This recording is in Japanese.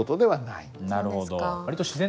なるほど。